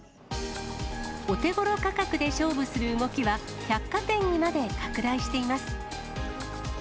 お手ごろ価格で勝負する動きは、百貨店にまで拡大しています。